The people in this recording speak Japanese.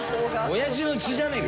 おやじの血じゃねえか。